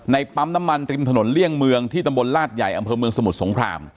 ปั๊มน้ำมันริมถนนเลี่ยงเมืองที่ตำบลลาดใหญ่อำเภอเมืองสมุทรสงคราม